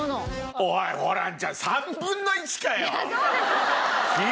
おいホランちゃん３分の１かよ！